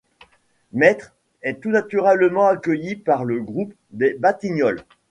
Maître est tout naturellement accueilli par le Groupe des Batignolles.